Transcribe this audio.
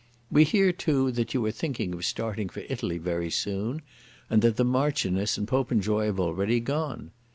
We hear too that you are thinking of starting for Italy very soon, and that the Marchioness and Popenjoy have already gone.